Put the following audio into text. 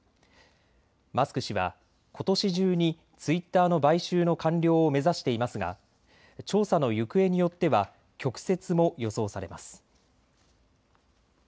マスク氏は、ことし中にツイッターの買収の完了を目指していますが調査の行方によっては曲折も予想されます。